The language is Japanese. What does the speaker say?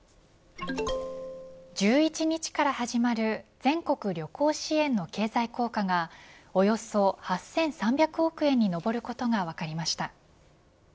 １１日から始まる全国旅行支援の経済効果がおよそ８３００億円に上ることが分かりました。